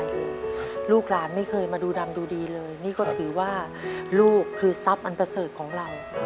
ฟรั่งดูดีเลยนี่ก็ถือว่าลูกคือทรัพย์อันประเสริฐของเรา